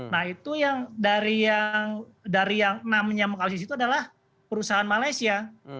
nah itu yang dari yang namanya alsis itu adalah perusahaan malaysia